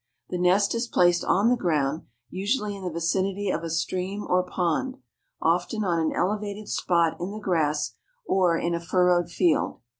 The nest is placed on the ground, usually in the vicinity of a stream or pond, often on an elevated spot in the grass or in a furrowed field.